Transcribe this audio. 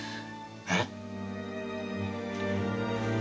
えっ？